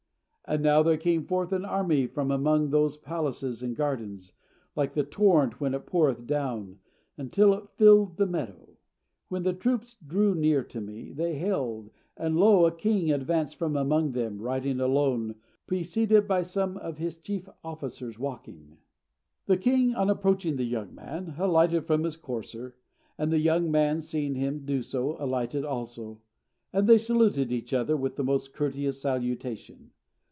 And now there came forth an army from among those palaces and gardens, like the torrent when it poureth down, until it filled the meadow. When the troops drew near to me, they hailed, and lo! a king advanced from among them, riding alone, preceded by some of his chief officers walking." The king, on approaching the young man, alighted from his courser; and the young man, seeing him do so, alighted also; and they saluted each other with the most courteous salutation.